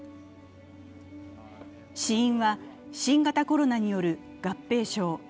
死因は新型コロナによる合併症。